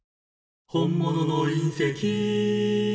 「本物の隕石！」